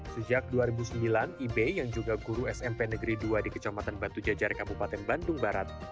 sejak dua ribu sembilan ibe yang juga guru smp negeri dua di kecamatan batu jajar kabupaten bandung barat